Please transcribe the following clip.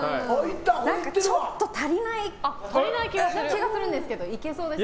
ちょっと足りない気がするんですけど行けそうですか？